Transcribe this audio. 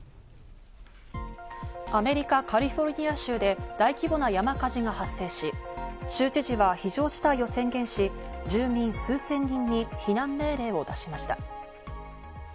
アメリカ・カリフォルニア州で大規模な山火事が発生し、州知事は非常事態を宣言し、住民数千人に避難命令を出しました。